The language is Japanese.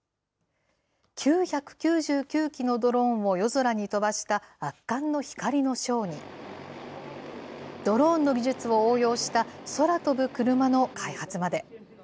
９９９機のドローンを夜空に飛ばした圧巻の光のショーに、ドローンの技術を応用した空飛ぶクルマの開発まで。